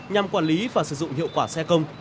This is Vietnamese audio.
nhằm quản lý và sử dụng hiệu quả xe công